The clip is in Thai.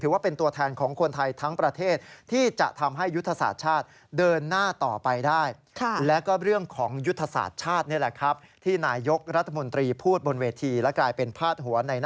ถือว่าเป็นตัวแทนของคนไทยทั้งประเทศ